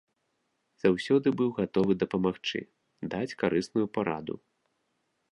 Заўсёды быў гатовы дапамагчы, даць карысную параду.